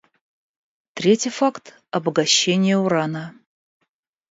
Третий факт — обогащение урана.